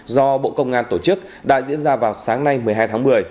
do bộ công an tổ chức đã diễn ra vào sáng nay một mươi hai tháng một mươi